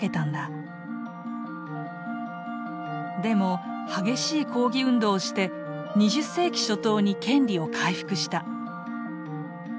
でも激しい抗議運動をして２０世紀初頭に権利を回復した。